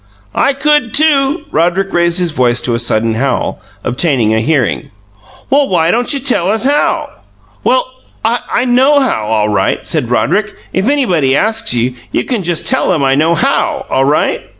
"I could, too!" Roderick raised his voice to a sudden howl, obtaining a hearing. "Well, why don't you tell us how?" "Well, I know HOW, all right," said Roderick. "If anybody asks you, you can just tell him I know HOW, all right."